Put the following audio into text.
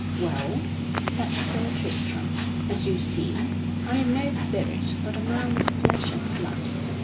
"Well," said Sir Tristram, "as you see, I am no spirit, but a man of flesh and blood.